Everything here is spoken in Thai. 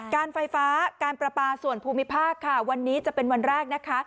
การไฟฟ้าพระภาษาส่วนภูมิภาควันนี้จะเป็นวันแรก